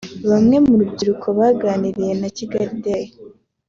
Bamwe mu rubyiruko baganiriye na Kigali Today